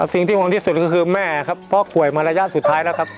สิ่งที่ห่วงที่สุดก็คือแม่ครับพ่อป่วยมาระยะสุดท้ายแล้วครับ